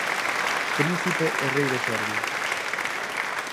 Príncipe e rei de Serbia.